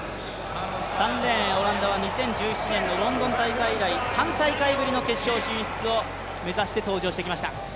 ３レーン、オランダは２０１７年のロンドン大会以来３大会ぶりの決勝進出を目指して登場してきました。